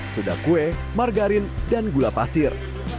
sudah kue margarin dan gula pasir